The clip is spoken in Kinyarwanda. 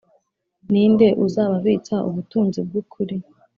ninde uzababitsa ubutunzi bw ukuri